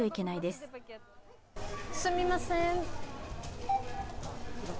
すみません。